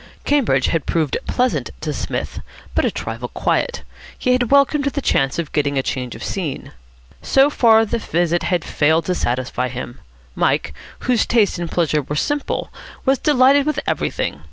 Cambridge had proved pleasant to Psmith, but a trifle quiet. He had welcomed the chance of getting a change of scene. So far the visit had failed to satisfy him. Mike, whose tastes in pleasure were simple, was delighted with everything.